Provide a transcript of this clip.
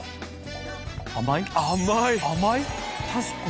甘い？